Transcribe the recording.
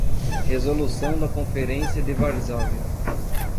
Resolução da Conferência de Varsóvia